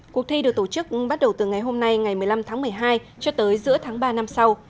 cuộc thi được tổ chức bắt đầu từ ngày hôm nay ngày một mươi năm tháng một mươi hai cho tới giữa tháng ba năm sau